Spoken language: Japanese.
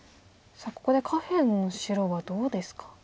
さあここで下辺の白はどうですか。